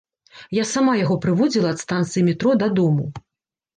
Я сама яго прыводзіла ад станцыі метро дадому.